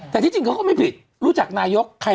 แต่ที่จริงเขาก็ไม่ผิดรู้จักนายกใครไม่รู้จักนายกบ้าง